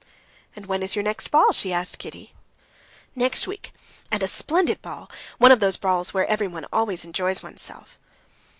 "And when is your next ball?" she asked Kitty. "Next week, and a splendid ball. One of those balls where one always enjoys oneself."